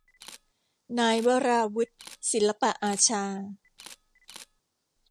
นายวราวุธ ศิลปอาชา